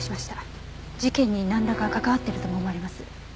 事件になんらか関わってるとも思われます。